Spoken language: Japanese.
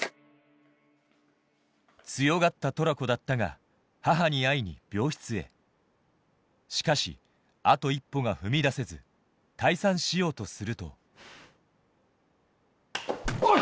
強がったトラコだったが母に会いに病室へしかしあと一歩が踏み出せず退散しようとするとおっ！